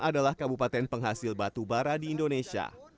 adalah kabupaten penghasil batu bara di indonesia